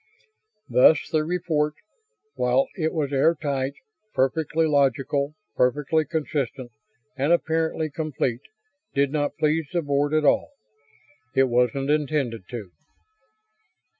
Thus the report, while it was air tight, perfectly logical, perfectly consistent, and apparently complete, did not please the Board at all. It wasn't intended to.